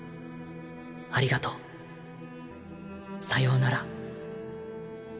ありがとう。さようなら」